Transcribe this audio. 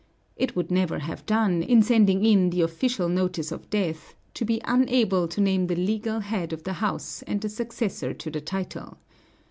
It would never have done, in sending in the official notice of death, to be unable to name the legal head of the house and the successor to the title.